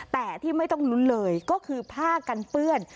แต่ที่ไม่ต้องลุ้นเลยก็คือผ้ากันเปื้อน